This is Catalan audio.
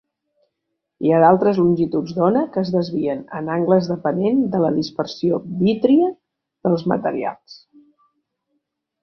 Hi ha d'altres longituds d'ona que es desvien en angles depenent de la dispersió vítria dels materials.